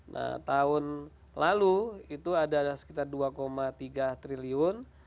nah tahun lalu itu adalah sekitar dua tiga triliun